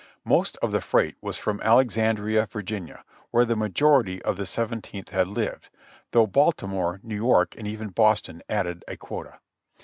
Most of the freight was from Alexandria, Virginia, where the majority of the Seventeenth had lived, though Baltimore, New York and even Boston added a quota.